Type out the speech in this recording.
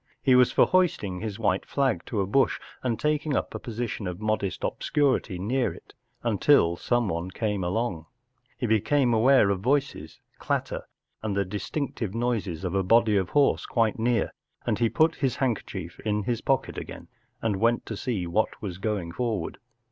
He was for hoisting his white flag to a bush and taking up a position of modest obscurity near it, until someone came along* He became aware of voices, clatter, and the distinctive noises of a body of horse, quite near, and he put his handkerchief in his pocket again and went to see what was going forward.